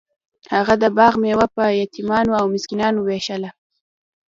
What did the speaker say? هغه د باغ میوه په یتیمانو او مسکینانو ویشله.